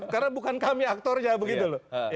karena bukan kami aktornya begitu loh